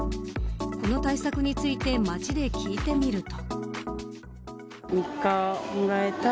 この対策について街で聞いてみると。